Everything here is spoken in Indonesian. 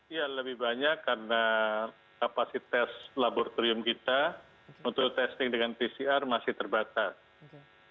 ya lebih banyak karena kapasitas laboratorium kita untuk testing dengan pcr masih terbatas